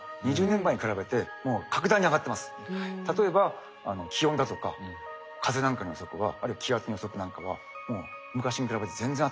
例えば気温だとか風なんかの予測はあるいは気圧の予測なんかはもう昔に比べて全然当たりますね。